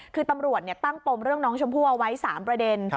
คือตำรวจตั้งปมเรื่องน้องชมพู่เอาไว้๓ประเด็น